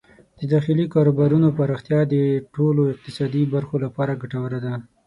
د داخلي کاروبارونو پراختیا د ټولو اقتصادي برخو لپاره ګټوره ده.